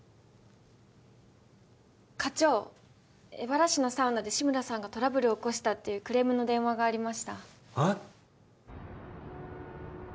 課長荏原市のサウナで志村さんがトラブルを起こしたっていうクレームの電話がありましたああ？